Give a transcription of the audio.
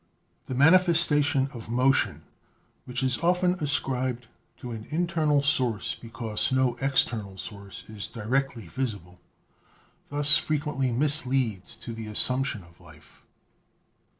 The manifestation of motion, which is often ascribed to an internal source because no external source is directly visible, thus frequently misleads to the assumption of life.